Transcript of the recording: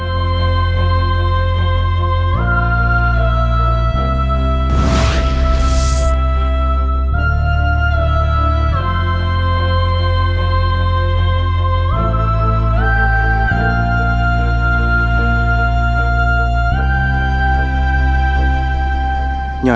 terima kasih raka